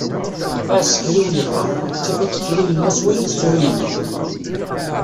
Aεsekriw yeqqar: ttif ad tettru yemma-s wala ad tettru yemma.